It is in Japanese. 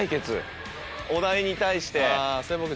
お題に対して。